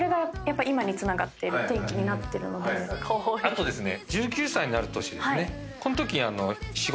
あとですね。